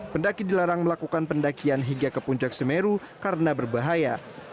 pendaki dilarang melakukan pendakian hingga ke puncak semeru karena berbahaya